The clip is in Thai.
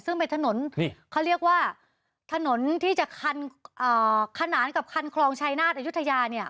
ซึ่งเป็นถนนเขาเรียกว่าถนนที่จะคันขนานกับคันคลองชายนาฏอายุทยาเนี่ย